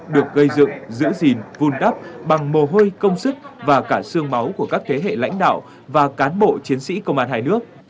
được gây dựng giữ gìn vun đắp bằng mồ hôi công sức và cả xương máu của các thế hệ lãnh đạo và cán bộ chiến sĩ công an hai nước